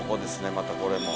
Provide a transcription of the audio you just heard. またこれも。